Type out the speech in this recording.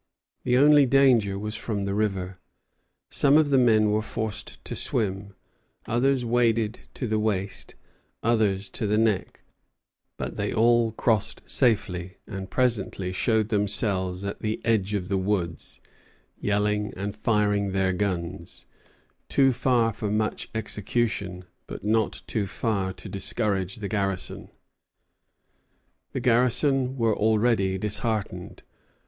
The only danger was from the river. Some of the men were forced to swim, others waded to the waist, others to the neck; but they all crossed safely, and presently showed themselves at the edge of the woods, yelling and firing their guns, too far for much execution, but not too far to discourage the garrison. Bougainville, Journal. Pouchot, I. 76. The garrison were already disheartened.